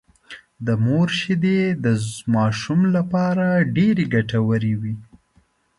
د مور شېدې د ماشوم لپاره ډېرې ګټورې وي